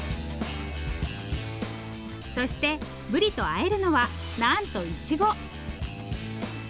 そしてブリとあえるのはなんといちご！